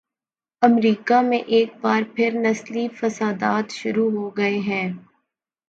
امریکہ میں ایک بار پھر نسلی فسادات شروع ہوگئے ہیں۔